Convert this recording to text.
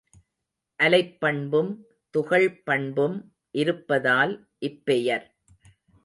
அலைப்பண்பும் துகள் பண்பும் இருப்பதால் இப்பெயர்.